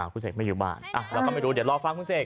คุณเสกไม่อยู่บ้านเราก็ไม่รู้เดี๋ยวรอฟังคุณเสก